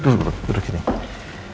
kami mau bicara dengan elsa